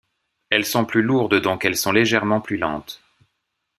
Elles sont plus lourdes donc elles sont légèrement plus lentes.